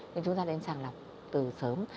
nên chúng ta nên sàng lọc từ sớm